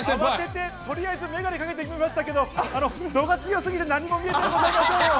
慌ててとりあえずメガネかけてきましたけど、あの、度が強すぎて、何も見えていません。